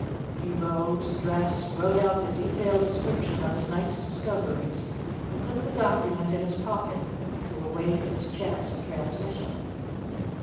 He rose, dressed, wrote out the detailed description of his night's discoveries, and put the document in his pocket to await its chance of transmission.